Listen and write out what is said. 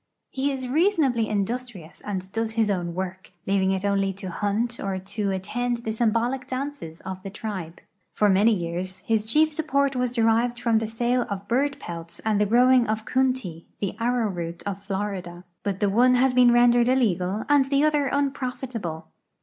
He is reasonably industrious and does his own w'ork, leaving it only to hunt or to attend the symbolic dances of the tribe. For many years his chief support was derived from the sale of bird l^elts and the growing of coontie, the arrowroot of Florida. But the one has been rendered illegal and the other unprofitable.